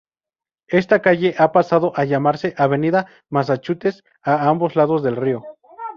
Esta calle ha pasado a llamarse Avenida Massachusetts a ambos lados del río.